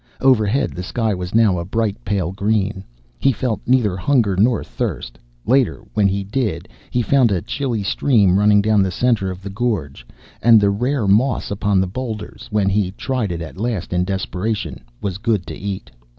Overhead the sky was now a bright, pale green. He felt neither hunger nor thirst. Later, when he did, he found a chilly stream running down the centre of the gorge, and the rare moss upon the boulders, when he tried it at last in desperation, was good to eat.